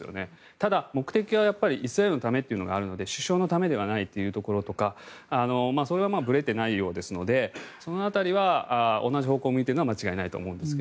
ただ、目的はやっぱりイスラエルのためというのがあるので首相のためではないというところとかそれはぶれていないようですのでその辺りは同じ方向を向いているのは間違いないと思うんですが。